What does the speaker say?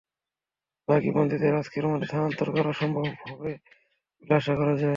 বাকি বন্দীদের আজকের মধ্যে স্থানান্তর করা সম্ভব হবে বলে আশা করা হচ্ছে।